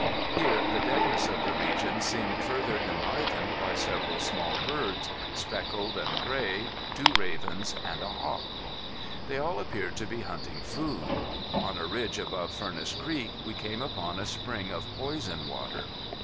Here the deadness of the region seemed further enlivened by several small birds, speckled and gray, two ravens, and a hawk. They all appeared to be hunting food. On a ridge above Furnace Creek we came upon a spring of poison water.